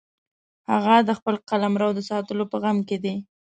هغه د خپل قلمرو د ساتلو په غم کې شي.